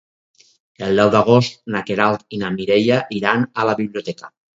El deu d'agost na Queralt i na Mireia iran a la biblioteca.